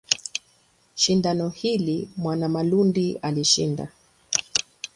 Shindano hili Mwanamalundi alishinda.